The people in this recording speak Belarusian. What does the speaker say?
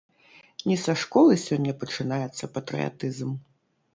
Не са школы сёння пачынаецца патрыятызм.